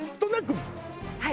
はい。